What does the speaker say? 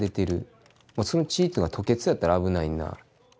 その血っていうのが吐血やったら危ないな。